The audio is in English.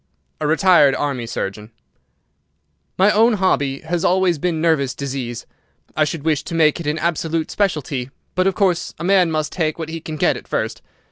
"A retired Army surgeon." "My own hobby has always been nervous disease. I should wish to make it an absolute specialty, but, of course, a man must take what he can get at first.